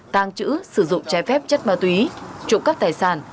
tàng trữ sử dụng trái phép chất ma túy trộm cắp tài sản